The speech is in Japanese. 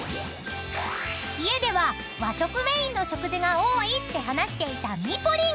［家では和食メインの食事が多いって話していたミポリン］